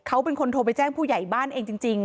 เขาเป็นคนโทรไปแจ้งผู้ใหญ่บ้านเองจริง